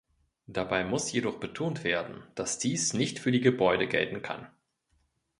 Dabei muss jedoch betont werden, dass dies nicht für die Gebäude gelten kann.